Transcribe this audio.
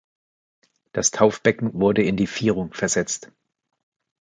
Das Taufbecken wurde in die Vierung versetzt.